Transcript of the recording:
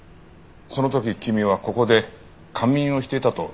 その時君はここで仮眠をしてたと言ってたね？